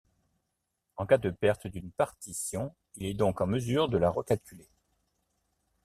En cas de perte d'une partition il est donc en mesure de la recalculer.